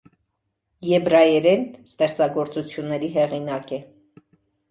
Եբրայերեն ստեղծագործությունների հեղինակ է։